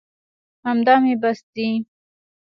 همدا مې بس دي.